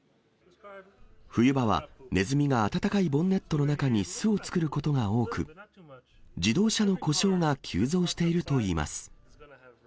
冬場はネズミが温かいボンネットの中に巣を作ることが多く、自動車の故障が急増しているといいます。